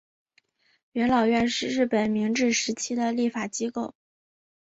元老院是日本明治时代的立法机构。